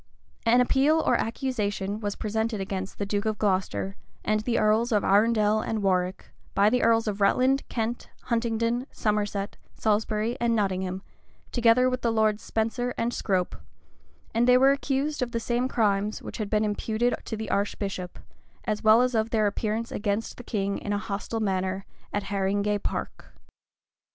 [*] An appeal or accusation was presented against the duke of Glocester, and the earls of Arundel and Warwick, by the earls of Rutland, Kent, Huntingdon, Somerset, Salisbury, and Nottingham, together with the lords Spenser and Scrope, and they were accused of the same crimes which had been imputed to the archbishop, as well as of their appearance against the king in a hostile manner at Haringay Park.